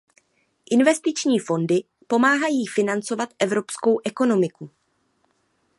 Investiční fondy pomáhají financovat evropskou ekonomiku.